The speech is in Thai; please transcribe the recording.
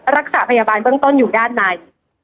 รักษาพยาบาลเบื้องต้นอยู่ด้านใน